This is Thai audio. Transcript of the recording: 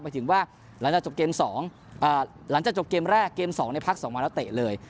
หมายถึงว่าหลังจากจบเกม๒หลังจากจบเกมแรกเกม๒ในพัก๒วันแล้วเตะเลย